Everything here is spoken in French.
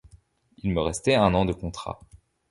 Il me restait un an de contrat.